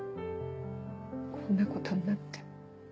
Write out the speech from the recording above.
こんなことになって。